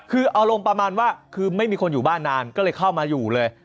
คืออารมณ์ประมาณว่าคือไม่มีคนอยู่บ้านนานก็เลยเข้ามาอยู่เลย